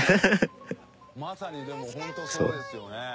まさにでもホントそうですよね。